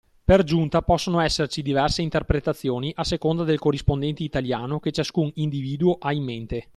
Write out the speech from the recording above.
Per giunta possono esserci diverse interpretazioni a seconda del corrispondente italiano che ciascun individuo ha in mente.